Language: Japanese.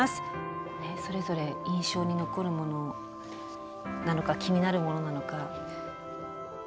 それぞれ印象に残るものなのか気になるものなのか。